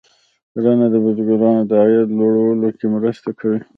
کرنه د بزګرانو د عاید لوړولو کې مرسته کوي.